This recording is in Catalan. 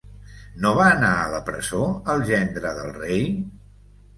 No va anar a la presó el gendre del rei?